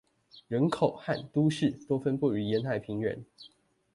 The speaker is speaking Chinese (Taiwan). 人口和都市多分布於沿海平原